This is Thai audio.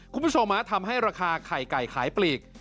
คุณผู้ชมทำให้ราคาไข่ไก่ขายปลีก